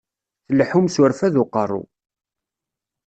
Tleḥḥum s urfad n uqerru.